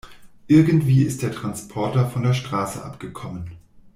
Irgendwie ist der Transporter von der Straße abgekommen.